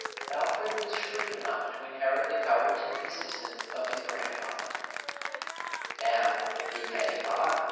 Alfred was shrewd enough to inherit the courage and persistence of his grandfather. Our D. A. R.